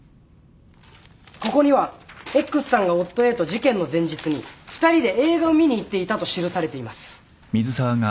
ここにはＸさんが夫Ａと事件の前日に２人で映画を見に行っていたと記されています。